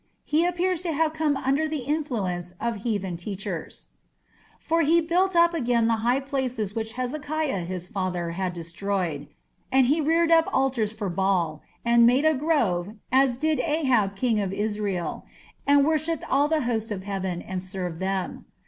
He appears to have come under the influence of heathen teachers. For he built up again the high places which Hezekiah his father had destroyed; and he reared up altars for Baal, and made a grove, as did Ahab king of Israel; and worshipped all the host of heaven, and served them....